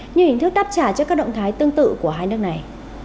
như hình thức đáp trả trước các động thái tương tự của hai nước này